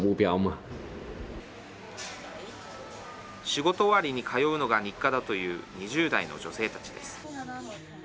仕事終わりに通うのが日課だという２０代の女性たちです。